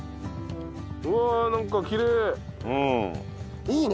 うわあなんかきれい！